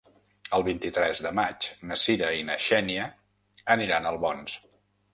El vint-i-tres de maig na Sira i na Xènia aniran a Albons.